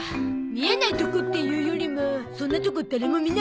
見えないとこっていうよりもそんなとこ誰も見ないんじゃ？